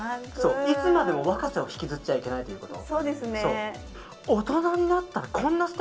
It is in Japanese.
いつまでも若さを引きずっちゃいけないということ。